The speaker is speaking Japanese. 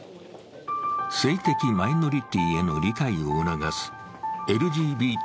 性的マイノリティーへの理解を促すＬＧＢＴ